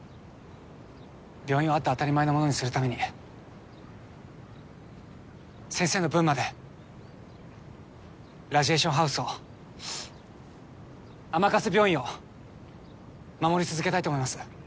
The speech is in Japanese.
病院をあって当たり前のものにするために先生の分までラジエーションハウスを甘春病院を守り続けたいと思います。